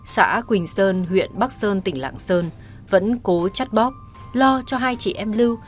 xã quỳnh sơn huyện bắc sơn tỉnh lạng sơn vẫn cố chắt bóp lo cho hai chị em lưu